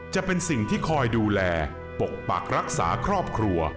จะเป็นสิ่งที่คอยดูแลปกปักรักษาครอบครัว